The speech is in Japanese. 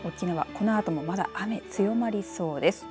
このあともまだ雨強まりそうです。